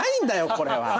これは。